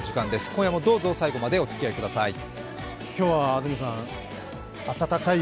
今夜もどうぞ最後までお付き合いください。